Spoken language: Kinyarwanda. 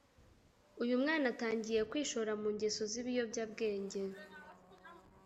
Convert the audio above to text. uyumwana atangiye kwkishora mungeso zibiyobyabwenge